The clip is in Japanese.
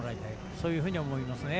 そういうふうに思います。